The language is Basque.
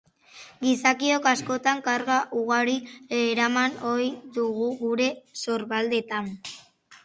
Gizakiok, askotan, karga ugari eraman ohi dugu gure sorbaldetan.